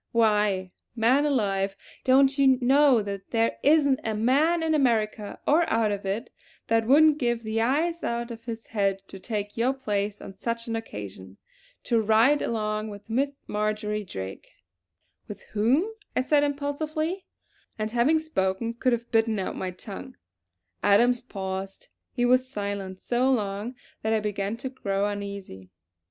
Why, man alive, don't you know that there isn't a man in America, or out of it, that wouldn't give the eyes out of his head to take your place on such an occasion. To ride alone with Marjory Drake " "With whom?" I said impulsively; and having spoken could have bitten out my tongue. Adams paused; he was silent so long that I began to grow uneasy.